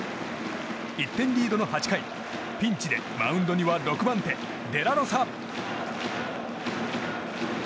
１点リードの８回ピンチでマウンドには６番手、デラロサ。